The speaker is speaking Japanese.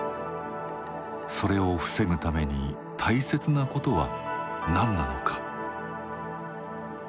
それを防ぐために大切なことは何なのか。